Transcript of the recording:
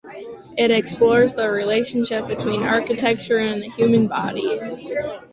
It explores the relationship between architecture and the human body.